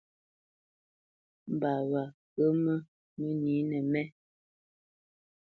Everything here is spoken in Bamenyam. Mbǎ wá nkǝmǝ mǝnǐnǝ mé.